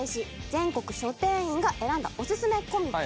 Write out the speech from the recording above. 全国書店員が選んだおすすめコミック